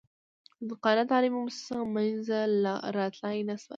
صادقانه تعلیمي موسسه منځته راتلای نه شوای.